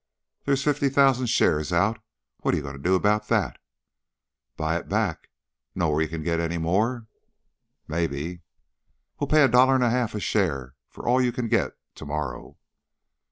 There's fifty thousand shares out. What you going to do about that?" "Buy it back. Know where you can get any more?" "Maybe." "We'll pay a dollar and a half a share for all you can get, to morrow."